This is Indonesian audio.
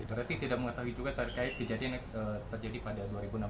berarti tidak mengetahui juga terkait kejadian yang terjadi pada dua ribu enam belas